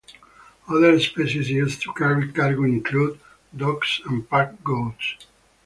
Other species used to carry cargo include dogs and pack goats.